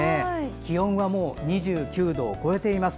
気温は２９度を超えています。